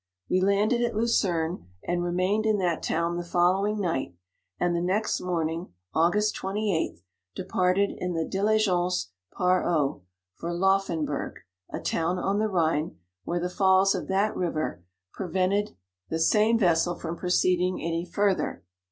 We landed at Lucerne, and remained in that town the following night, and the next morning (August 28th) de parted in the diligence par eau for Lof fenburgh, a town on the Rhine, where the falls of that river prevented the 56 same vessel from proceeding any fur ther.